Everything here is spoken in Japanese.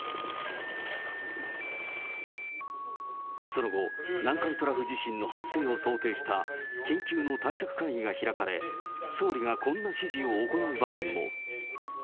その後、南海トラフ地震の発生を想定した緊急の対策会議が開かれ、総理がこんな指示を行う場面も。